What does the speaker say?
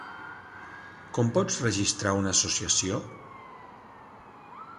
Com pots registrar una associació?